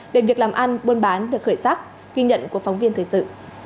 để việc làm ăn buôn bán được khởi sắc ghi nhận của phóng viên thời sự